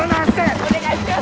お願いします！